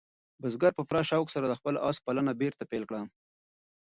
بزګر په پوره شوق سره د خپل آس پالنه بېرته پیل کړه.